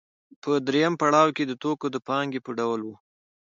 په درېیم پړاو کې د توکو د پانګې په ډول وه